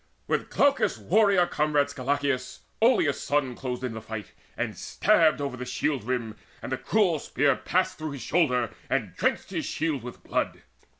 With Glaucus' warrior comrade Scylaceus Odeus' son closed in the fight, and stabbed Over the shield rim, and the cruel spear Passed through his shoulder, and drenched his shield with blood.